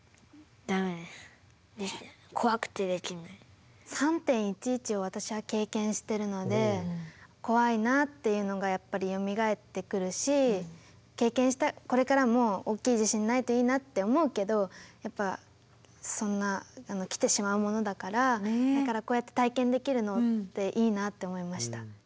ダメです３．１１を私は経験してるので怖いなっていうのがやっぱりよみがえってくるし経験したこれからも大きい地震ないといいなって思うけどやっぱそんな来てしまうものだからだからこうやって体験できるのっていいなって思いました。